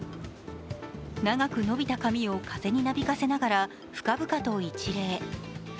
長く伸びた髪を風になびかせながら深々と一例。